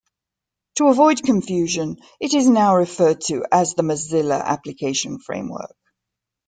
To avoid confusion, it is now referred to as the Mozilla application framework.